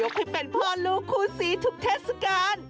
ให้เป็นพ่อลูกคู่สีทุกเทศกาล